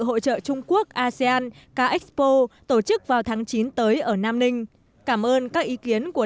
hội trợ trung quốc asean ca expo tổ chức vào tháng chín tới ở nam ninh cảm ơn các ý kiến của